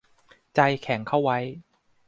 ใจแข็งเข้าไว้